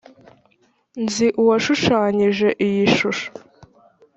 nzi uwashushanyije iyi shusho.